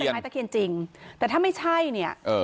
ไม้ตะเคียนจริงแต่ถ้าไม่ใช่เนี่ย